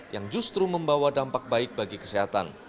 yang justru membawa dampak baik bagi kesehatan